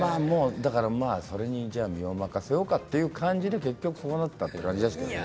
それに身を任せようかという感じで結局そうなったという感じですね。